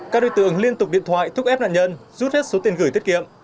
các đối tượng liên tục điện thoại thúc ép nạn nhân rút hết số tiền gửi tiết kiệm